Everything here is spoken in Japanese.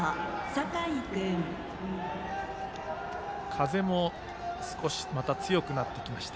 風も少しまた強くなってきました。